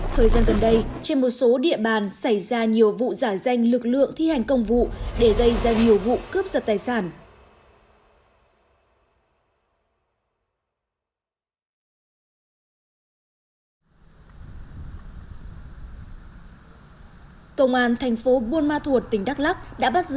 thời gian gần đây trên một số địa bàn xảy ra nhiều vụ giả danh lực lượng thi hành công vụ để gây ra nhiều vụ cướp giật tài sản